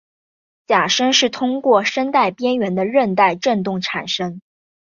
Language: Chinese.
假声是通过声带边缘的韧带振动产生。